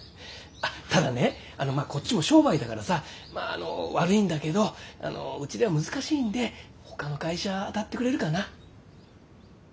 ただねこっちも商売だからさまああの悪いんだけどうちでは難しいんでほかの会社当たってくれるかな？